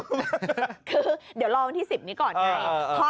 คือเดี๋ยวรอวันที่๑๐นี้ก่อนไง